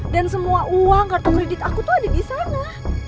dan semua uang kartu kredit aku tuh ada di sana